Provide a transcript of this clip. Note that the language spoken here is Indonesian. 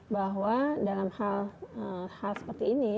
bahwa dalam hal hal seperti ini